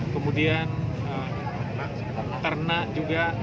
kemudian kernak juga